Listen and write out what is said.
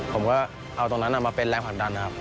ผมก็เอาตรงนั้นมาเป็นแรงผลักดันนะครับ